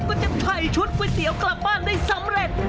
ก็จะไข่ชุดกุยเสียวกลับบ้านได้สำเร็จ